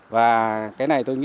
và cái này tôi nghĩ